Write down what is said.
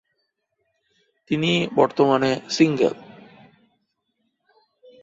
তিনি বর্তমানে সিঙ্গেল।